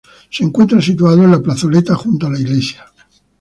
Se encuentra situado en la plazoleta junto a la iglesia.